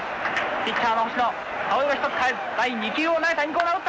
ピッチャーの星野顔色一つ変えず第２球を投げた。